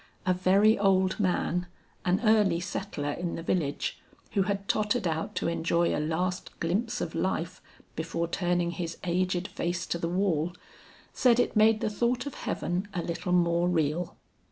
A very old man, an early settler in the village, who had tottered out to enjoy a last glimpse of life before turning his aged face to the wall, said it made the thought of heaven a little more real.